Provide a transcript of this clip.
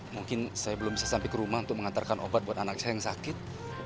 mungkin saya belum bisa sampai ke rumah untuk mengantarkan obat buat anak saya yang sakit